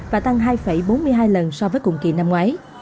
và tăng hai bốn mươi hai lần so với cùng kỳ năm ngoái